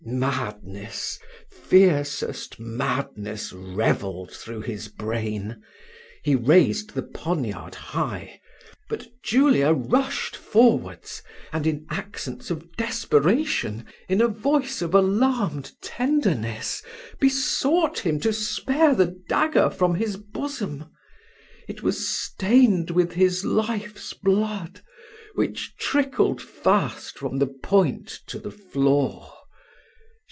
Madness fiercest madness revelled through his brain. He raised the poniard high, but Julia rushed forwards, and, in accents of desperation, in a voice of alarmed tenderness, besought him to spare the dagger from his bosom it was stained with his life's blood, which trickled fast from the point to the floor.